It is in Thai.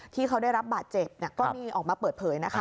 ที่เขาได้รับบาดเจ็บก็มีออกมาเปิดเผยนะคะ